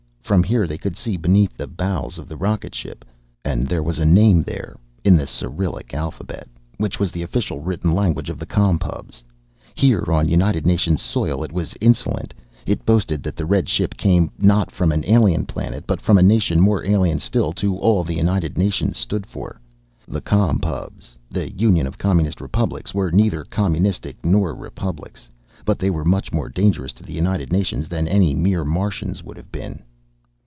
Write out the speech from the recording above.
From here they could see beneath the bows of the rocket ship. And there was a name there, in the Cyrillic alphabet which was the official written language of the Com Pubs. Here, on United Nations soil, it was insolent. It boasted that the red ship came, not from an alien planet, but from a nation more alien still to all the United Nations stood for. The Com Pubs the Union of Communist Republics were neither communistic nor republics, but they were much more dangerous to the United Nations than any mere Martians would have been.